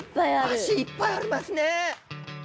脚いっぱいありますね。